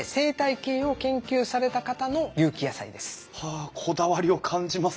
あこだわりを感じますね。